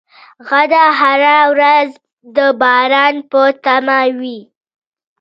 عاد هره ورځ د باران په تمه وو.